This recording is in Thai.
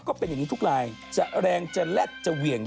ก็เป็นอย่างนี้ทุกลายจะแรงจะแลดจะเหวี่ยง